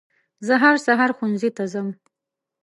زه هر سهار ښوونځي ته ځم.